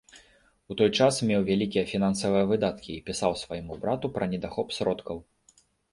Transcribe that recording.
У той час меў вялікія фінансавыя выдаткі і пісаў свайму брату пра недахоп сродкаў.